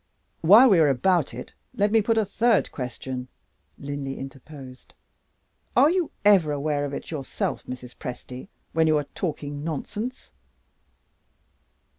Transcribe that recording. "While we are about it, let me put a third question," Linley interposed. "Are you ever aware of it yourself, Mrs. Presty, when you are talking nonsense?"